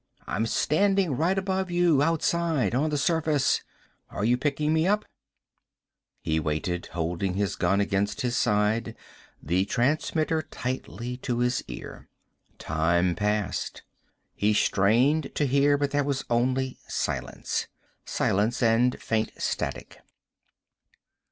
I'm standing right above you. Outside. On the surface. Are you picking me up?" He waited, holding his gun against his side, the transmitter tightly to his ear. Time passed. He strained to hear, but there was only silence. Silence, and faint static.